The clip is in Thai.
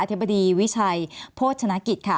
ธิบดีวิชัยโภชนกิจค่ะ